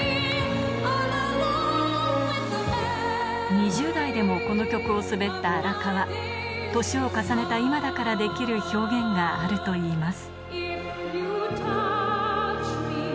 ２０代でもこの曲を滑った荒川年を重ねた今だからできる表現があると言います